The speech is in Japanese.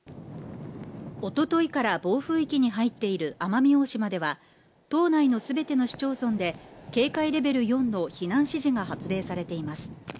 おとといから暴風域に入っている奄美大島では島内の全ての市町村で警戒レベル４の避難指示が発令されています。